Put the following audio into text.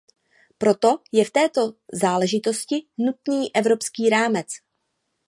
Proto je v této záležitosti nutný evropský rámec.